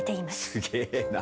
すげえな。